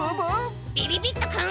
びびびっとくん。